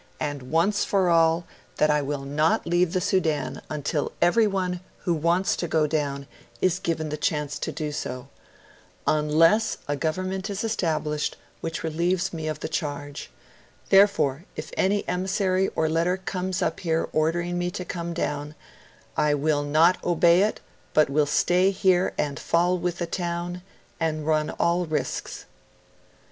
'AND ONCE FOR ALL, THAT I WILL NOT LEAVE THE SUDAN UNTIL EVERY ONE WHO WANTS TO GO DOWN IS GIVEN THE CHANCE TO DO SO, UNLESS a government is established which relieves me of the charge; therefore, if any emissary or letter comes up here ordering me to comedown, I WILL NOT OBEY IT, BUT WILL STAY HERE AND FALL WITH THE TOWN, AND RUN ALL RISKS'.